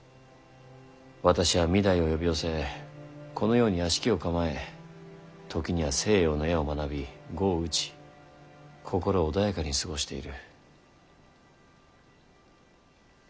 私は御台を呼び寄せこのように邸を構え時には西洋の絵を学び碁を打ち心穏やかに過ごしている。